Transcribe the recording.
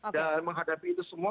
dan menghadapi itu semua